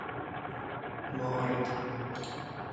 مارد